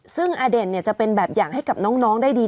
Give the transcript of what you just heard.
ซึ่งอเด่นจะเป็นแบบอย่างให้กับน้องได้ดี